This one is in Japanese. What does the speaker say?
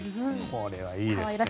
これはいいですね。